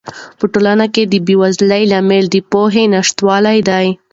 په ټولنه کې د بې وزلۍ لامل د پوهې نشتوالی دی.